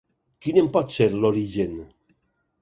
Quin en pot ser l’origen?